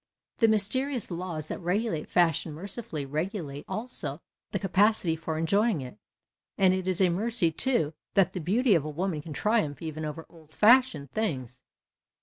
The mysterious laws that regulate fashion mercifully regulate also the capacity for enjoying it. And it is a mercy, too, that the beauty of woman can triumph even over " old fashioned " things.